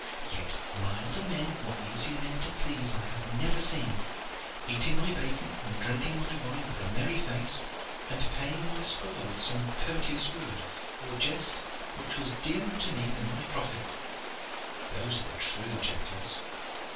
Yet milder men or easier to please I have never seen: eating my bacon and drinking my wine with a merry face, and paying my score with some courteous word or jest which was dearer to me than my profit. Those are the true gentles.